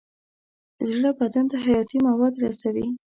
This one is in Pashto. زړه بدن ته حیاتي مواد رسوي.